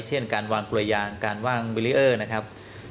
เช่นการวางกลวยยางการว่างบิริเออร์นะครับ